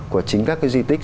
của chính các cái di tích